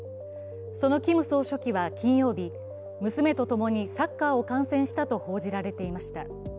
そのキム総書記は金曜日、娘とともにサッカーを観戦したと報じられていました。